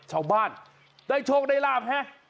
ชาวบ้านได้โชคได้ลาบฮะ